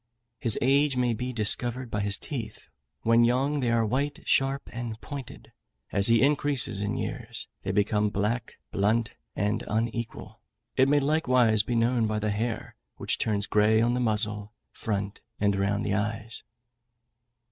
His age may be discovered by his teeth; when young, they are white, sharp, and pointed; as he increases in years, they become black, blunt, and unequal: it may likewise be known by the hair, which turns grey on the muzzle, front, and round the eyes.